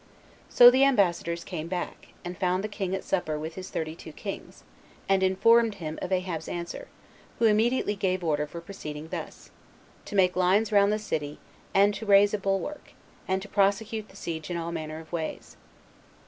So the ambassadors came back, and found the king at supper with his thirty two kings, and informed him of Ahab's answer; who then immediately gave order for proceeding thus: To make lines round the city, and raise a bulwark, and to prosecute the siege all manner of ways.